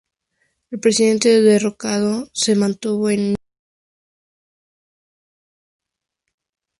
El presidente derrocado se mantuvo en Níger de manera provisional.